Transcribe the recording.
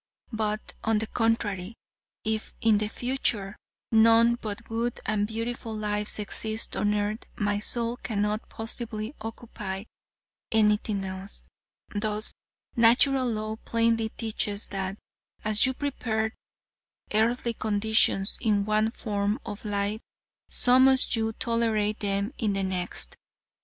But, on the contrary, if in the future none but good and beautiful lives exist on earth, my soul cannot possibly occupy anything else. Thus, Natural Law plainly teaches that, as you prepare earthly conditions in one form of life, so must you tolerate them in the next.